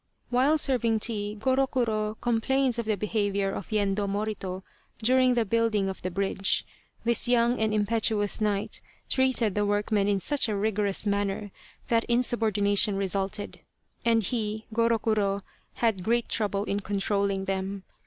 While serving tea Gorokuro complains of the behaviour of Yendo Morito during the building of the bridge. This young and impetuous knight treated the workmen in such a rigorous manner that in subordination resulted, and he, Gorokuro, had grejit trouble in controlling them.